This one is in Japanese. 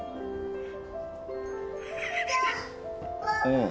うん。